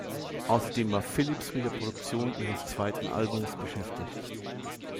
Außerdem war Phillips mit der Produktion ihres zweiten Albums beschäftigt.